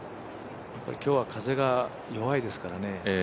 今日は風が弱いですからね。